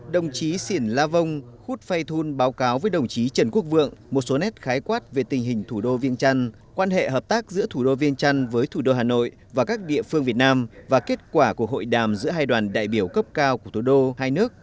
đồng chí xỉn la vong khúc phay thun báo cáo với đồng chí trần quốc vượng một số nét khái quát về tình hình thủ đô viên trăn quan hệ hợp tác giữa thủ đô viên trăn với thủ đô hà nội và các địa phương việt nam và kết quả của hội đàm giữa hai đoàn đại biểu cấp cao của thủ đô hai nước